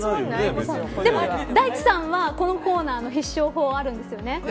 大地さんは、このコーナーの必勝法があるんですよね。